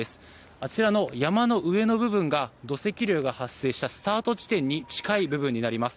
あちらの山の上の部分が土石流が発生したスタート地点に近い部分になります。